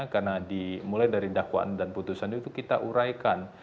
karena dimulai dari dakwaan dan putusan itu kita uraikan